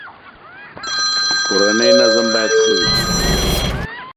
د کورنی نظم باید ښه وی